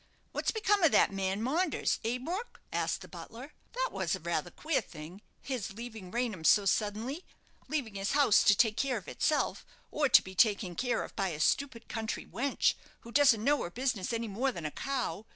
What's become of that man Maunders eh, Brook?" asked the butler. "That was a rather queer thing his leaving Raynham so suddenly, leaving his house to take care of itself, or to be taken care of by a stupid country wench, who doesn't know her business any more than a cow.